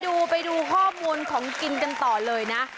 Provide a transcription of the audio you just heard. ไปดูไปดูข้อมูลของกินกันต่อเลยนะ